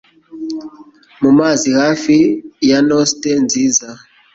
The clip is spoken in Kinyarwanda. Mu mazi hafi ya Nauset nziza.